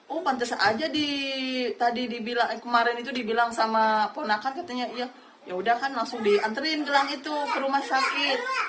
oh pantas aja tadi kemarin itu dibilang sama ponakan katanya yaudah kan langsung diantriin gelang itu ke rumah sakit